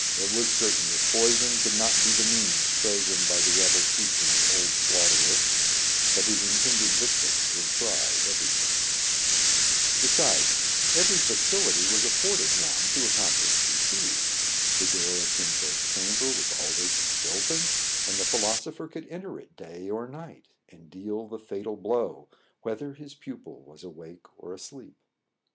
It was certain that poison could not be the means chosen by the rebel chieftain's old slaugh terer, but his intended victim would try every thing. Besides, every facility was afforded Wang to accomplish his deed. The door of Kin Fo*s cham ber was always left open ; and the philosopher could enter it day or night, and deal the fatal blow, whether his pupil was awake or asleep.